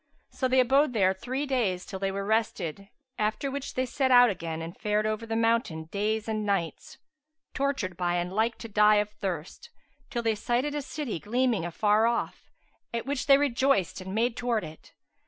So they abode there three days till they were rested, after which they set out again and fared on over the mountain days and nights, tortured by and like to die of thirst, till they sighted a city gleaming afar off, at which they rejoiced and made towards it.